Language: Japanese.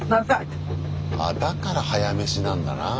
あだから早飯なんだなぁ。